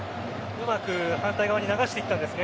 うまく反対側に流していたんですね。